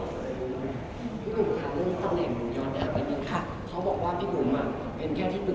พี่บุ๋มค่ะเรื่องข้อแหน่งยอดถามกันดี